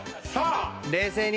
冷静に。